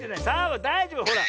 だいじょうぶほら。